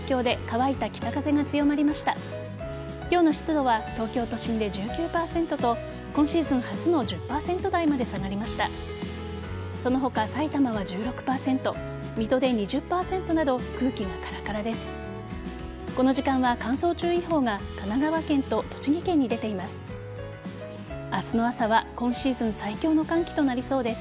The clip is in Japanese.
この時間は乾燥注意報が神奈川県と栃木県に出ています。